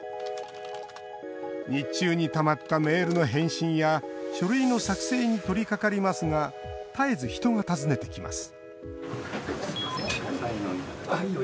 日中にたまったメールの返信や書類の作成に取りかかりますが絶えず、人が訪ねてきます